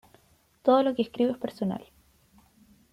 Todo lo que escribo es personal.